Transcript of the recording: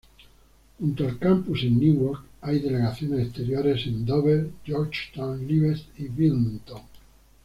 Junto al campus en Newark hay delegaciones exteriores en Dover, Georgetown, Lewes y Wilmington.